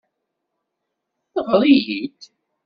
Ɣer-iyi-d.